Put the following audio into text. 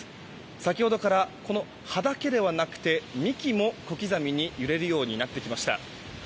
先ほどから葉だけでなく幹も小刻みに揺れるようになってきました。